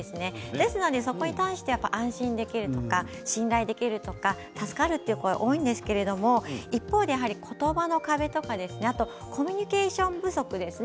ですのでそこに対して安心できるとか信頼できるとか助かるという声が多いんですけど一方で言葉の壁とかコミュニケーション不足ですね